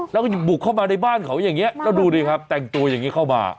แล้วก็บุกเข้ามาในบ้านเขาอย่างนี้แล้วดูดิครับแต่งตัวอย่างนี้เข้ามา